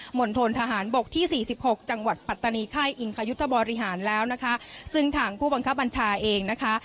นทนทหารบกที่สี่สิบหกจังหวัดปัตตานีค่ายอิงคยุทธบริหารแล้วนะคะซึ่งทางผู้บังคับบัญชาเองนะคะ